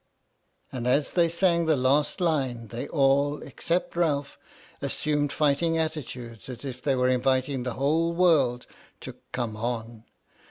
And as they sang the last line, they all, except Ralph, assumed fighting attitudes as if they were inviting the whole world to " come on."